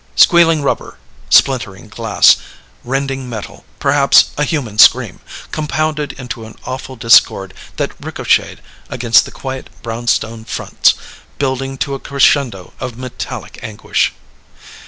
Squealing rubber, splintering glass, rending metal, perhaps a human scream ... compounded into an awful discord that ricocheted against the quiet brownstone fronts, building to a crescendo of metallic anguish.